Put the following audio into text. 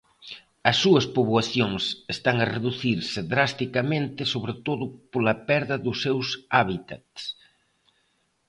As súas poboacións están a reducirse drasticamente sobre todo pola perda dos seus hábitats.